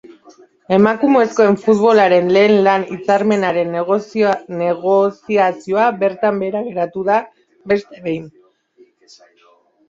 Emakumezkoen futbolaren lehen lan hitzarmenaren negoziazioa bertan behera geratu da beste behin.